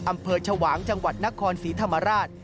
อำเภอชวางจังหวัดนครศรีธรรมราช